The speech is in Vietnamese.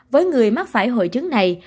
với người mắc phải hội chứng này